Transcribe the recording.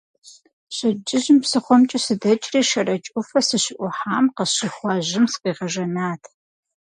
Пщэдджыжьым псыхъуэмкӏэ сыдэкӏри Шэрэдж ӏуфэ сыщыӏухьам къысщӏихуа жьым сыкъигъэжэнат.